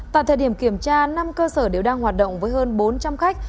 tại thời điểm kiểm tra năm cơ sở đều đang hoạt động với hơn bốn trăm linh khách